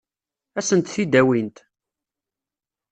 Ad sent-t-id-awint?